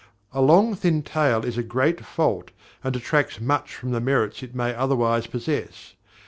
A long thin tail is a great fault, and detracts much from the merits it may otherwise possess.